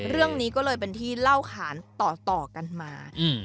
เรื่องนี้ก็เลยเป็นที่เล่าขานต่อกันมา